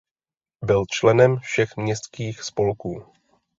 Byl členem všech městských spolků.